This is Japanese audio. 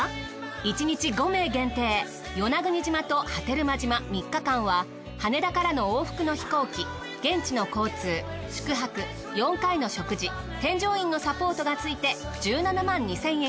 １日５名限定与那国島と波照間島３日間は羽田からの往復の飛行機現地の交通宿泊４回の食事添乗員のサポートがついて。